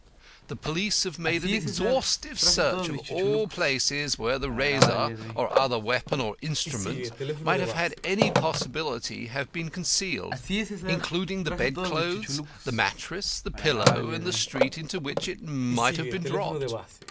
The police have made an exhaustive search in all places where the razor or other weapon or instrument might by any possibility have been concealed, including the bed clothes, the mattress, the pillow, and the street into which it might have been dropped.